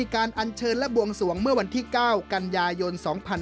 อันเชิญและบวงสวงเมื่อวันที่๙กันยายน๒๕๕๙